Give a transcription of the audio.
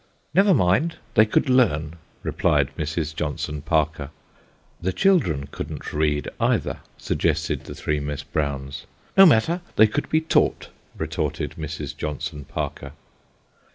Never mind ; they could learn, replied Mrs. Johnson Parker. The children couldn't read either, suggested the throe Miss Browns. No matter ; they could bo taught, retorted Mrs. Johnson Parker.